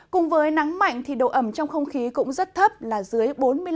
cùng với nắng mạnh thì độ ẩm trong không khí cũng rất thấp là dưới bốn mươi năm